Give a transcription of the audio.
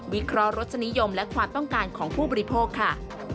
เคราะหรสนิยมและความต้องการของผู้บริโภคค่ะ